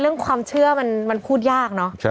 เรื่องความเชื่อมันพูดยากเนอะ